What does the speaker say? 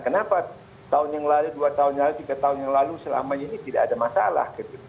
kenapa tahun yang lalu dua tahun lalu tiga tahun yang lalu selama ini tidak ada masalah